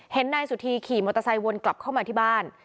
นายสุธีขี่มอเตอร์ไซค์วนกลับเข้ามาที่บ้าน